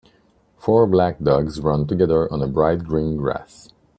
Four black dogs run together on bright green grass.